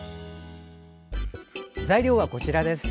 材料はこちらです。